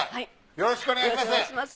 よろしくお願いします。